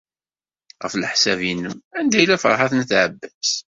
Ɣef leḥsab-nnem, anda yella Ferḥat n At Ɛebbas?